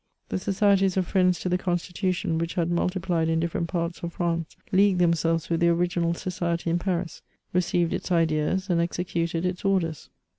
The societies of Friends to the Constitution, which had multiplied in different parts of France, leagued themselves with the original society in Paris, received its ideas, and executed its orders.